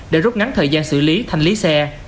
để rút ngắn thời gian xử lý thanh lý xe